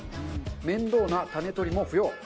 面倒な種取りも不要。